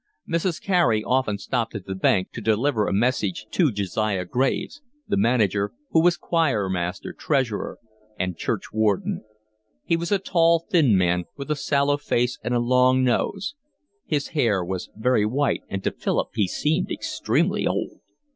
Mrs. Carey often stopped at the bank to deliver a message to Josiah Graves, the manager, who was choir master, treasurer, and churchwarden. He was a tall, thin man with a sallow face and a long nose; his hair was very white, and to Philip he seemed extremely old.